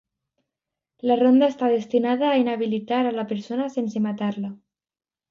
La ronda està destinada a inhabilitar a la persona sense matar-la.